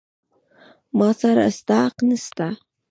ما سره ستا حق نسته.